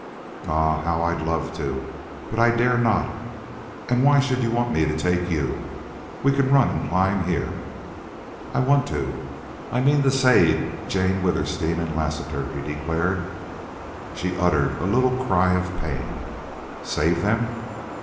"Ah, how I'd love to! But I dare not. And why should you want me to take you? We can run and climb here." "I want to I mean to save Jane Withersteen and Lassiter," he declared. She uttered a little cry of pain. "Save them?"